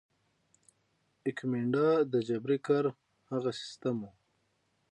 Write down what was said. ایکومینډا د جبري کار هغه سیستم وو.